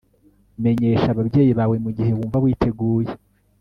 Menyesha ababyeyi bawe mugihe wumva witeguye